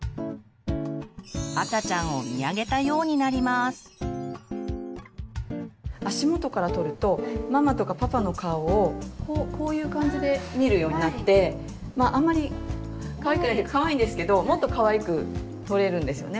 赤ちゃんを足元から撮るとママとかパパの顔をこういう感じで見るようになってまああんまりかわいくないというかかわいいんですけどもっとかわいく撮れるんですよね。